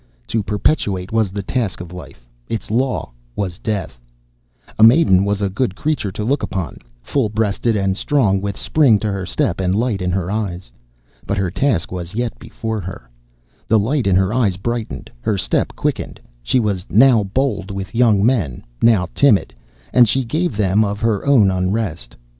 To perpetuate was the task of life, its law was death. A maiden was a good creature to look upon, full breasted and strong, with spring to her step and light in her eyes. But her task was yet before her. The light in her eyes brightened, her step quickened, she was now bold with the young men, now timid, and she gave them of her own unrest.